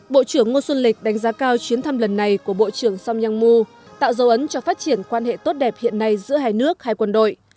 bộ trưởng ngô xuân lịch đánh giá cao chuyến thăm lần này của bộ trưởng song yong mu tạo dấu ấn cho phát triển quan hệ tốt đẹp hiện nay giữa hai nước hai quân đội